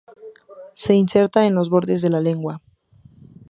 Se inserta en los bordes de la lengua.